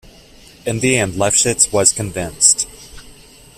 In the end Lefschetz was convinced.